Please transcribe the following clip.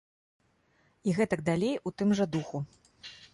І гэтак далей у тым жа духу.